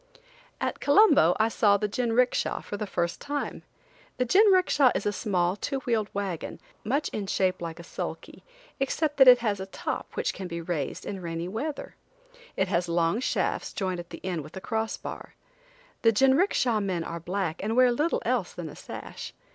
At Colombo I saw the jinricksha for the first time. The jinricksha is a small two wheel wagon, much in shape like a sulky, except that it has a top which can be raised in rainy weather. It has long shafts joined at the end with a crossbar. The jinricksha men are black and wear little else than a sash.